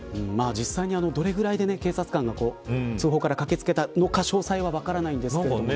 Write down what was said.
実際に、どれぐらいで警察官が通報から駆け付けたのか詳細は分からないんですけどね。